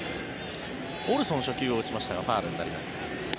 オルソン、初球を打ちましたがファウルになります。